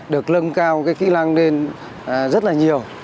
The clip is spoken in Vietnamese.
được lân cao kỹ lăng lên rất là nhiều